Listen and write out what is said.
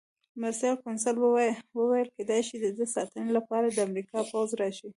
مرستیال کونسل وویل: کېدای شي د ده د ساتنې لپاره د امریکا پوځ راشي.